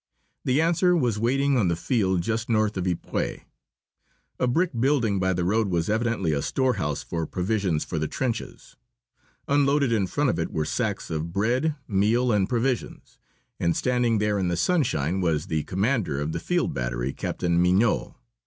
The answer was waiting on the field just north of Ypres. A brick building by the road was evidently a storehouse for provisions for the trenches. Unloaded in front of it were sacks of bread, meal and provisions. And standing there in the sunshine was the commander of the field battery, Captain Mignot.